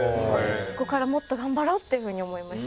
そこからもっと頑張ろうっていうふうに思いました。